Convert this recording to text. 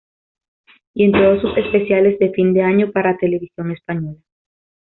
Y en todos sus especiales de fin de año para Televisión Española.